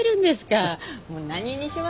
もう何にします？